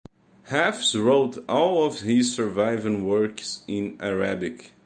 Hafs wrote all of his surviving works in Arabic.